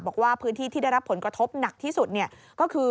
บอกว่าพื้นที่ที่ได้รับผลกระทบหนักที่สุดก็คือ